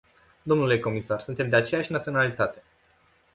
Dle comisar, suntem de aceeași naționalitate.